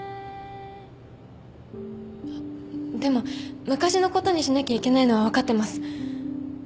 あっでも昔のことにしなきゃいけないのは分かってます。